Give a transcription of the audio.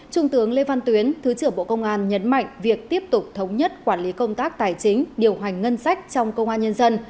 trung tướng lê văn tuyến thứ trưởng bộ công an nhấn mạnh việc tiếp tục thống nhất quản lý công tác tài chính điều hành ngân sách trong công an nhân dân